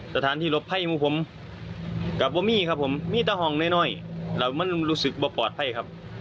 สถานที่รบภัยมัวผมกับบังมิครับผมมีตะฮองน้อยเรามันรู้สึกแบบปลอดภัยครับ